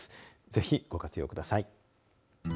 ぜひ、ご活用ください。